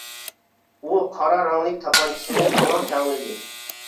ئۇ قارا رەڭلىك تاپانچىسىنى ماڭا تەڭلىدى.